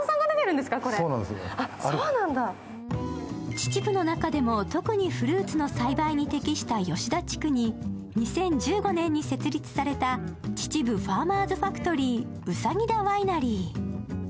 秩父の中でも特にフルーツの栽培に適した吉田地区に２０１５年に設立された秩父ファーマーズファクトリー兎田ワイナリー。